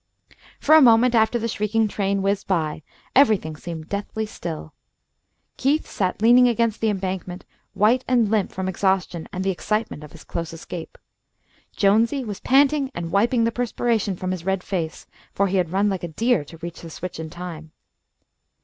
For a moment after the shrieking train whizzed by everything seemed deathly still. Keith sat leaning against the embankment, white and limp from exhaustion and the excitement of his close escape. Jonesy was panting and wiping the perspiration from his red face, for he had run like a deer to reach the switch in time.